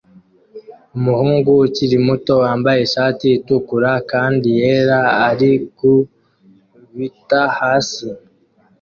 Umuhungu ukiri muto wambaye ishati itukura kandi yera arikubita hasi